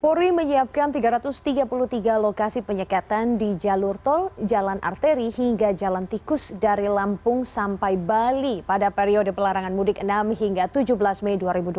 polri menyiapkan tiga ratus tiga puluh tiga lokasi penyekatan di jalur tol jalan arteri hingga jalan tikus dari lampung sampai bali pada periode pelarangan mudik enam hingga tujuh belas mei dua ribu dua puluh